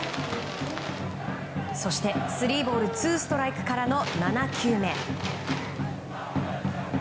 そしてスリーボールツーストライクからの７球目。